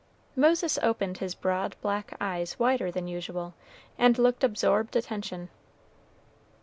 Moses opened his broad black eyes wider than usual, and looked absorbed attention.